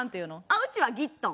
うちは「ギットン」。